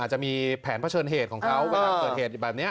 อาจจะมีแผนเพราะเชิญเหตุของเค้าเพื่อเล็กกับเชิญเหตุแบบเนี้ย